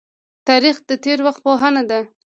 تاریخ د تیر وخت پوهنه ده